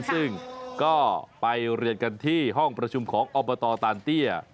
ซึ่งก็ไปเรียนกันที่ห้องประชุมของอบตตานเตี้ย